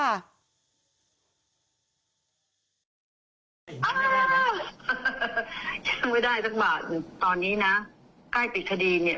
แม่แม่ยังไม่ได้สิกว่าตอนนี้นะใกล้ปิดทดีเนี่ย